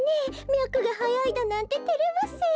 みゃくがはやいだなんててれますよ。